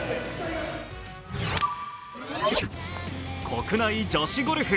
国内女子ゴルフ。